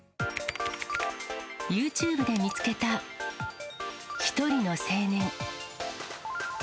ユーチューブで見つけた１人の青年。